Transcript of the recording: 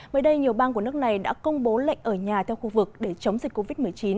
mới đây nhiều bang của nước này đã công bố lệnh ở nhà theo khu vực để chống dịch covid một mươi chín